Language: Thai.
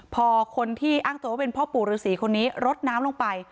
พอคนที่อ้างตัวว่าเป็นพ่อปู่ฤษีคนนี้รดน้ำลงไป